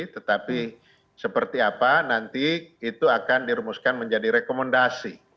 tetapi seperti apa nanti itu akan dirumuskan menjadi rekomendasi